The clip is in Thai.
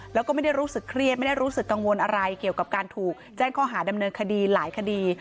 แล้วก็ไม่ได้รู้สึกเครียดไม่ได้รู้สึกกังวลอะไรเกี่ยวกับการถูกแจ้งข้อหาดำเนินคดีหลายคดี